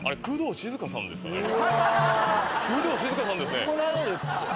工藤静香さんですね。